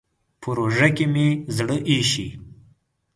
په روژه کې مې زړه اېشي.